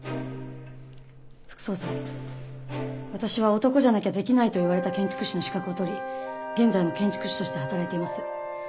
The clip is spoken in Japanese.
副総裁私は男じゃなきゃできないといわれた建築士の資格を取り現在も建築士として働いています。